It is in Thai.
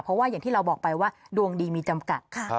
เพราะว่าอย่างที่เราบอกไปว่าดวงดีมีจำกัด